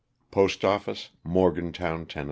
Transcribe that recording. Postoffice, Morgantown, Tenn.